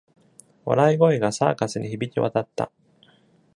笑い声がサーカスに響き渡った。